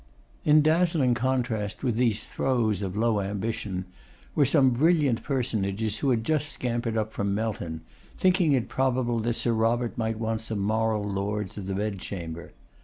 In dazzling contrast with these throes of low ambition, were some brilliant personages who had just scampered up from Melton, thinking it probable that Sir Robert might want some moral lords of the bed chamber.